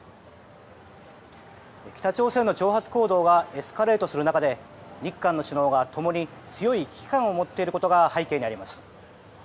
北朝鮮の挑発行動がエスカレートする中で日韓の首脳がともに強い危機感を持っていることが背景にあります。